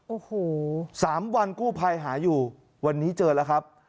โอ้โห๓วันกู้ภัยหาอยู่วันนี้เจอแล้วครับ